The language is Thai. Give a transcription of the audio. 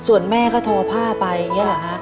ส่วนแม่ก็ทอผ้าไปอย่างนี้แหละครับ